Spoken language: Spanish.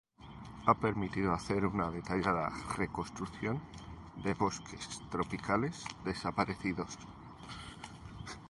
Ha permitido hacer una detallada reconstrucción de bosques tropicales desaparecidos.